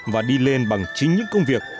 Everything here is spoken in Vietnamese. và đi lên bằng chính những công việc